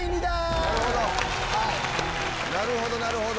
なるほどなるほど。